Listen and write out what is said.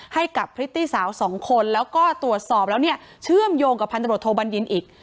ให้กับพริตตี้สาวสองคนแล้วก็ตรวจสอบแล้วเนี่ยเชื่อมโยงกับพันตรวจโทบัญญินอีก